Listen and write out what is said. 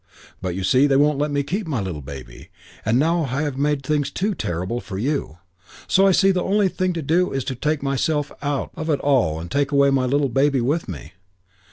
But you see they won't let me keep my little baby and now I have made things too terrible for you. So I see the only thing to do is to take myself out of it all and take my little baby with me.